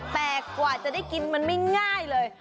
แต่กว่าจะได้กินมันไม่ง่ายเลย